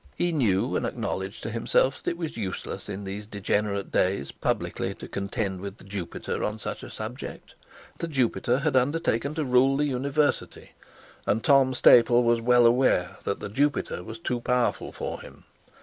He knew and acknowledged to himself that it was useless in these degenerate days publicly to contend with the Jupiter on such a subject. The Jupiter had undertaken to rule the University, and Tom Staple was well aware that the Jupiter was too powerful for him.